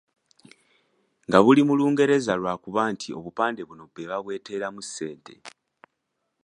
Nga buli mu Lungereza olw'okuba nti obupande buno be babweteeramu ssente.